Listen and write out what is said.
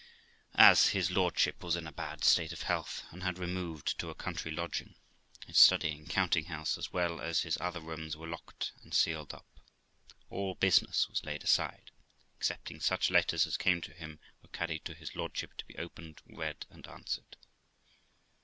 As his lordship was in a bad state of health, and had removed to a country lodging, his study and countinghouse, as well as his other rooms, were locked and sealed up; all business was laid aside, excepting such letters as came to him were carried to his lordship to be opened, read, and answered.